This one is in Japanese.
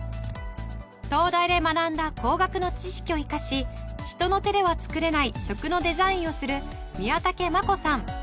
東大で学んだ工学の知識を生かし人の手では作れない食のデザインをする宮武茉子さん。